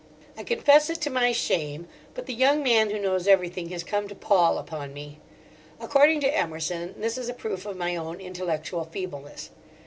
I confess it to my shame, but the young man who knows everything has come to pall upon me. According to Emerson, this is a proof of my own intellectual feebleness.